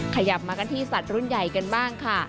ขยับมากันที่สัตว์รุ่นใหญ่กันบ้างค่ะ